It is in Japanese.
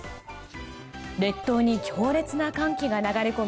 列島に強烈な寒気が流れ込み